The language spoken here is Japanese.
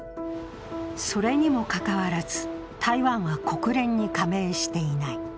それにもかかわらず、台湾は国連に加盟していない。